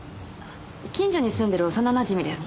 近所に住んでる幼なじみです。